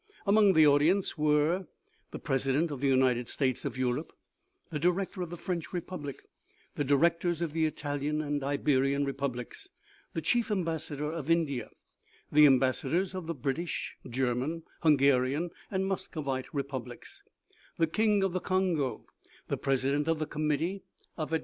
Among the audience were the president of the United States of Europe, the director of the French republic, the di rectors of the Italian and Iberian republics, the chief ambassador of India, the ambassadors of the British, German, Hungarian and Muscovite republics, the king of the Congo, the president of the committee of ad OMEGA.